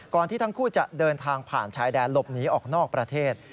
ที่ทั้งคู่จะเดินทางผ่านชายแดนหลบหนีออกนอกประเทศ